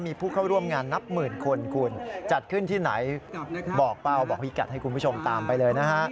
มีผู้เข้าร่วมงานนับหมื่นคนคุณจัดขึ้นที่ไหนบอกเป้าบอกพี่กัดให้คุณผู้ชมตามไปเลยนะฮะ